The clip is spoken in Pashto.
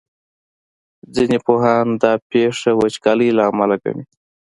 ځینې پوهان دا پېښه وچکالۍ له امله ګڼي.